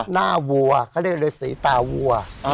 หน้าวัวเขาเรียกอะไรสีตาวัว